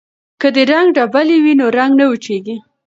که د رنګ ډبلي وي نو رنګ نه وچیږي.